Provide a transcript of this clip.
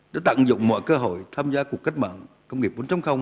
đã tặng dụng mọi cơ hội tham gia cuộc cách mạng công nghiệp bốn